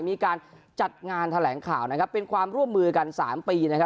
มีการจัดงานแถลงข่าวนะครับเป็นความร่วมมือกัน๓ปีนะครับ